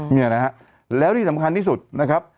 เนี่ยนะฮะแล้วที่สำคัญที่สุดนะครับ